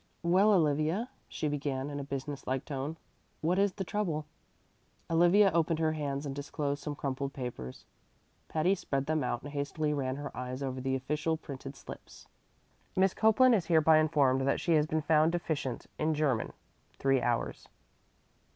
"Well, Olivia," she began in a business like tone, "what is the trouble?" Olivia opened her hands and disclosed some crumpled papers. Patty spread them out and hastily ran her eyes over the official printed slips: Miss Copeland is hereby informed that she has been found deficient in German (three hours).